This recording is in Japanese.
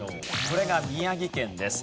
これが宮城県です。